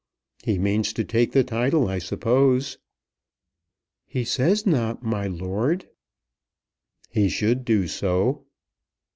He means to take the title, I suppose?" "He says not, my lord." "He should do so."